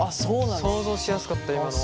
想像しやすかった今のは。